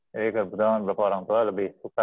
jadi kebetulan beberapa orang tua lebih suka